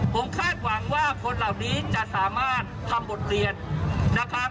ผมคาดหวังว่าคนเหล่านี้จะสามารถทำบทเรียนนะครับ